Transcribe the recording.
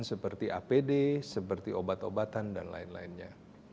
seperti apd seperti obat obatan dan lain lainnya